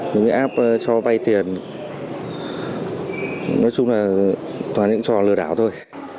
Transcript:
mình sẽ áp cho vay tiền nói chung là toàn những trò lừa đảo thôi